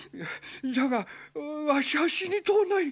じゃがわしは死にとうない！